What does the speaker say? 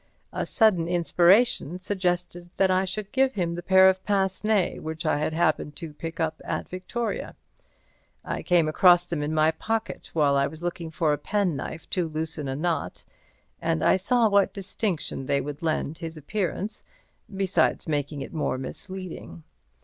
A sudden inspiration suggested that I should give him the pair of pince nez which I had happened to pick up at Victoria. I came across them in my pocket while I was looking for a penknife to loosen a knot, and I saw what distinction they would lend his appearance, besides making it more misleading.